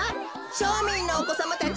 しょみんのおこさまたち。